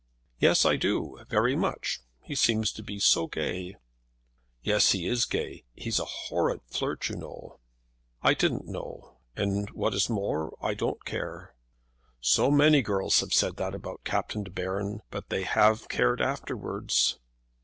"Yes, I do; very much. He seems to be so gay." "Yes, he is gay. He's a horrid flirt, you know." "I didn't know; and what is more, I don't care." "So many girls have said that about Captain De Baron; but they have cared afterwards."